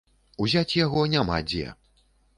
Узяць яго няма дзе.